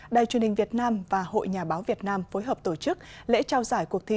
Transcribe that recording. đài truyền hình việt nam và hội nhà báo việt nam phối hợp tổ chức lễ trao giải cuộc thi